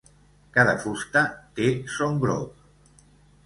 Cada fusta té son grop.